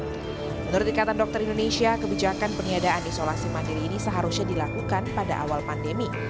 menurut ikatan dokter indonesia kebijakan peniadaan isolasi mandiri ini seharusnya dilakukan pada awal pandemi